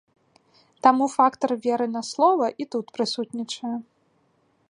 Таму фактар веры на слова і тут прысутнічае.